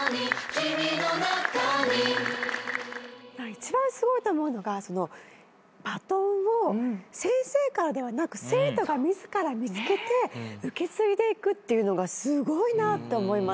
一番すごいと思うのがバトンを先生からではなく生徒が自ら見つけて受け継いでいくっていうのがすごいなと思いました。